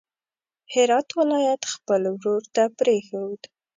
هرات ولایت خپل ورور ته پرېښود.